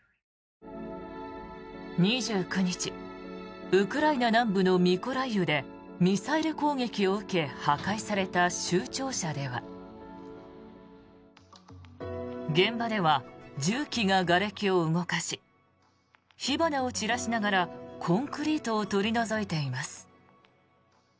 ２９日、ウクライナ南部のミコライウでミサイル攻撃を受け破壊された州庁舎では現場では重機ががれきを動かし火花を散らしながらコンクリートを取り除いています。